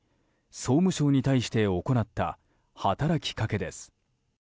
総務省に対して行った働きかけです。